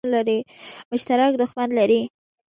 مشترک دښمن لري.